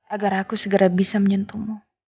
agar aku segera bisa menyentuhmu